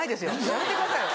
やめてくださいよ。